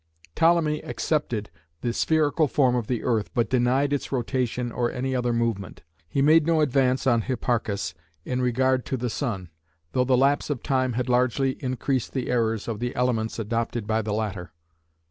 Ptolemy accepted the spherical form of the earth but denied its rotation or any other movement. He made no advance on Hipparchus in regard to the sun, though the lapse of time had largely increased the errors of the elements adopted by the latter.